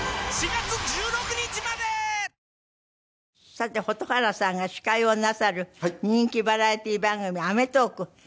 さて蛍原さんが司会をなさる人気バラエティー番組『アメトーーク！』。